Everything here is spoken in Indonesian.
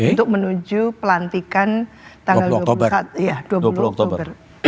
untuk menuju pelantikan tanggal dua puluh oktober